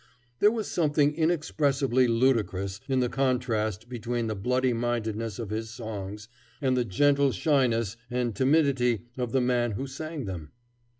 There was something inexpressibly ludicrous in the contrast between the bloody mindedness of his songs and the gentle shyness and timidity of the man who sang them.